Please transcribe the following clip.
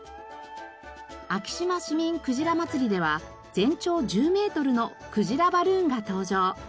昭島市民くじら祭では全長１０メートルのくじらバルーンが登場。